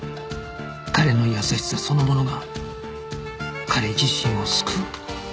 彼の優しさそのものが彼自身を救う